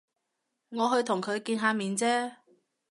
我去同佢見下面啫